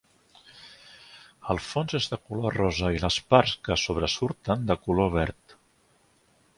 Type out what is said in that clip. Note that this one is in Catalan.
El fons és de color rosa i les parts que sobresurten de color verd.